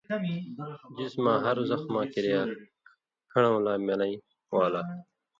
جسماں ہر زخماں کریا کھن٘ڑؤں لا مِلَیں والا